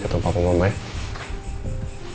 ketumpah panggung mama ya